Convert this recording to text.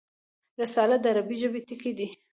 رساله د عربي ژبي ټکی دﺉ.